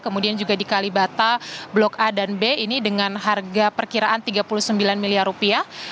kemudian juga di kalibata blok a dan b ini dengan harga perkiraan tiga puluh sembilan miliar rupiah